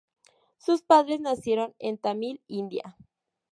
Sus padres nacieron en Tamil, India.